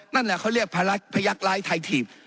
นั่นแหละเขาเรียกพยักษร้ายไทยถีบ